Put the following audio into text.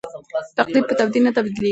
تقدیر په تدبیر نه بدلیږي.